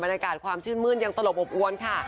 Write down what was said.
อากาศความชื่นมื้นยังตลบอบอวนค่ะ